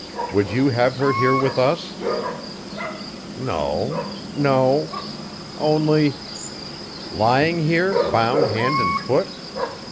Would you have her here with us?" "No no. Only " "Lying here, bound hand and foot?